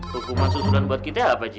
hukuman susulan buat kita apa sih